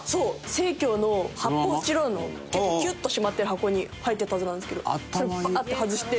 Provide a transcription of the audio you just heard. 生協の発泡スチロールの結構キュッと閉まってる箱に入ってたはずなんですけどそれをバッて外して。